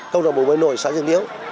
câu lạc bộ bơi nội xã dương niếu